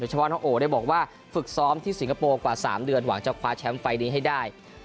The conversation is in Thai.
เฉพาะน้องโอได้บอกว่าฝึกซ้อมที่สิงคโปร์กว่า๓เดือนหวังจะคว้าแชมป์ไฟล์นี้ให้ได้